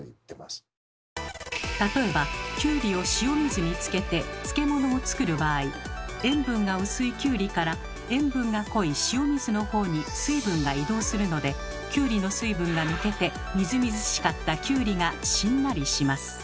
例えばきゅうりを塩水に漬けて漬物を作る場合塩分が薄いきゅうりから塩分が濃い塩水の方に水分が移動するのできゅうりの水分が抜けてみずみずしかったきゅうりがしんなりします。